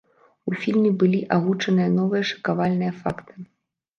У фільме былі агучаныя новыя шакавальныя факты.